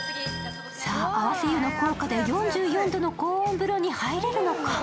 合わせ湯の効果で４４温度の高温風呂に入れるのか？